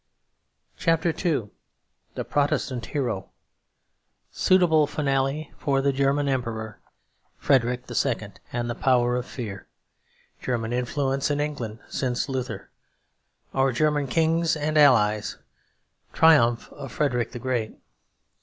CHAPTER II THE PROTESTANT HERO Suitable Finale for the German Emperor Frederick II. and the Power of Fear German Influence in England since Lather Our German Kings and Allies Triumph of Frederick the Great.